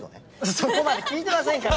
そこまで聞いてませんから！